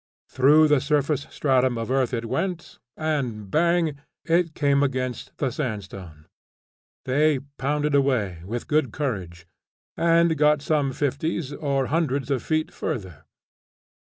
Through the surface stratum of earth it went, and bang it came against the sandstone. They pounded away, with good courage, and got some fifties or hundreds of feet further.